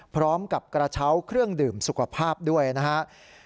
พร้อมกับกระเช้าเครื่องดื่มสุขภาพด้วยนะครับ